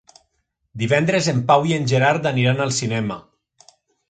Divendres en Pau i en Gerard aniran al cinema.